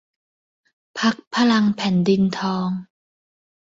พรรคพลังแผ่นดินทอง